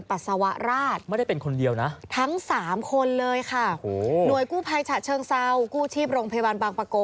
เพราะคนที่มาเจอเขาเล่าให้ฟังว่า